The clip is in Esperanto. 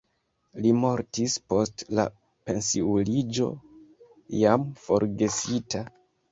Li mortis post la pensiuliĝo jam forgesita.